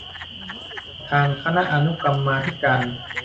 ประธานคณะอนุกรรมาธิการ